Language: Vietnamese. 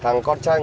thằng con tranh